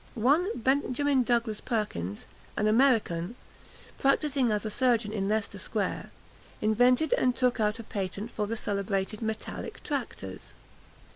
One Benjamin Douglas Perkins, an American, practising as a surgeon in Leicester Square, invented and took out a patent for the celebrated "Metallic Tractors."